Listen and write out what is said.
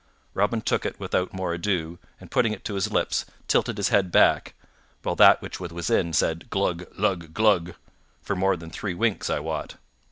Robin took it without more ado and putting it to his lips, tilted his head back, while that which was within said "glug!" "lug! glug!" for more than three winks, I wot.